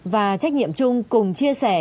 và trách nhiệm chung cùng chia sẻ